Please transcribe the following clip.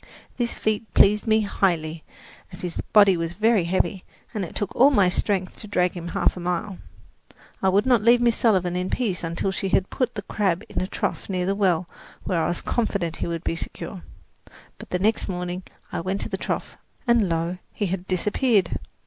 This feat pleased me highly, as his body was very heavy, and it took all my strength to drag him half a mile. I would not leave Miss Sullivan in peace until she had put the crab in a trough near the well where I was confident he would be secure. But next morning I went to the trough, and lo, he had disappeared!